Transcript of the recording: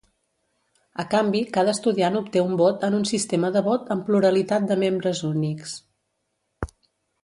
A canvi, cada estudiant obté un vot en un sistema de vot amb pluralitat de membres únics.